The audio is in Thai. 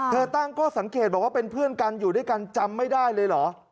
ตั้งข้อสังเกตบอกว่าเป็นเพื่อนกันอยู่ด้วยกันจำไม่ได้เลยเหรอ